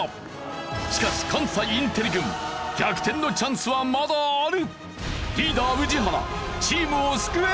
しかし関西インテリ軍逆転のチャンスはまだある！